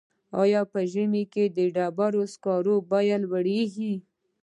آیا په ژمي کې د ډبرو سکرو بیه لوړیږي؟